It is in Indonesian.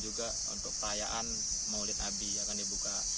juga untuk perayaan maulid abi akan dibuka